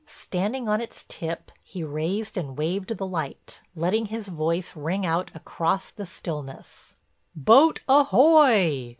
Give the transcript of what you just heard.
Standing on its tip he raised and waved the light, letting his voice ring out across the stillness: "Boat ahoy!"